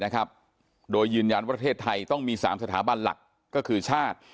ก็คือชาติ